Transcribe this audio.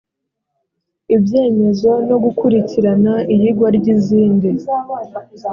ibyemezo no gukurikirana iyigwa ry izindi